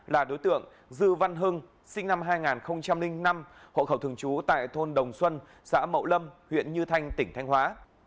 là đối tượng dư văn hưng sinh năm hai nghìn năm hộ khẩu thường trú tại thôn đồng xuân xã mậu lâm huyện như thanh tỉnh thanh hóa